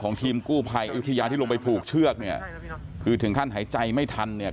ทีมกู้ภัยอยุธยาที่ลงไปผูกเชือกเนี่ยคือถึงขั้นหายใจไม่ทันเนี่ย